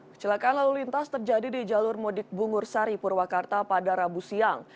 kecelakaan lalu lintas terjadi di jalur mudik bungur sari purwakarta pada rabu siang